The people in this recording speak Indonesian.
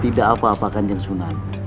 tidak apa apa kanjeng sunan